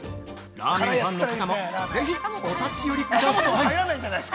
ラーメンファンの方もぜひ、お立ち寄りください。